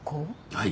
はい。